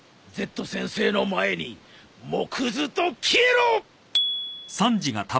Ｚ先生の前に藻くずと消えろ！